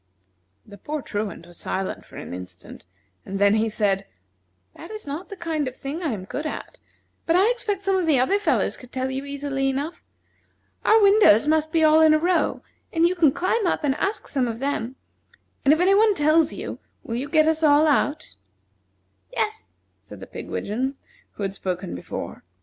The poor Truant was silent for an instant, and then he said: "That is not the kind of thing I am good at, but I expect some of the other fellows could tell you easily enough. Our windows must be all in a row, and you can climb up and ask some of them; and if any one tells you, will you get us all out?" "Yes," said the pigwidgeon who had spoken before.